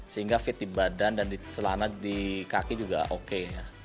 sehingga fit di badan dan di celana di kaki juga oke